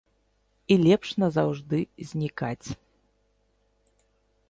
І лепш назаўжды знікаць.